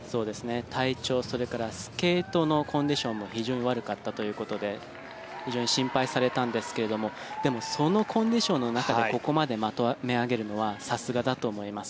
体調それからスケートのコンディションも非常に悪かったということで非常に心配されたんですがでも、そのコンディションの中でここまでまとめ上げるのはさすがだと思います。